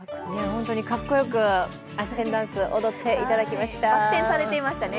本当にかっこよくあし天ダンス踊っていただきました。